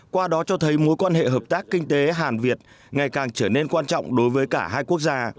qua đó cho thấy mối quan hệ hợp tác kinh tế hàn việt ngày càng trở nên quan trọng đối với cả hai quốc gia